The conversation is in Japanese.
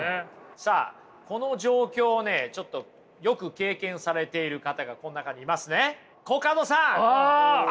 さあこの状況をねちょっとよく経験されている方がこの中にいますね。